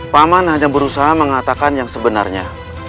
paman hanya berusaha mengatakan yang sebenarnya